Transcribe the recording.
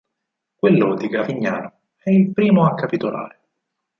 Quello di Gavignano è il primo a capitolare.